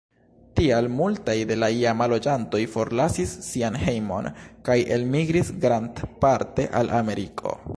Tial multaj de la iama loĝantoj forlasis sian hejmon kaj elmigris grandparte al Ameriko.